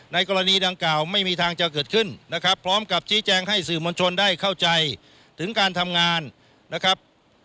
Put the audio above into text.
กรณีดังกล่าวไม่มีทางจะเกิดขึ้นนะครับพร้อมกับชี้แจงให้สื่อมวลชนได้เข้าใจถึงการทำงานนะครับ